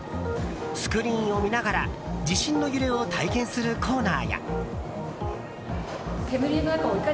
スクリーンを見ながら地震の揺れを体験するコーナーや。